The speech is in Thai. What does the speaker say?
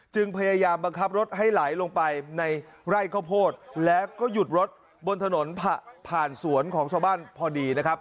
พยายามบังคับรถให้ไหลลงไปในไร่ข้าวโพดแล้วก็หยุดรถบนถนนผ่านสวนของชาวบ้านพอดีนะครับ